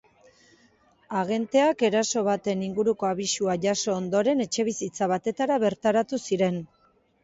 Agenteak eraso baten inguruko abisua jaso ondoren etxebizitza batetara bertaratu ziren.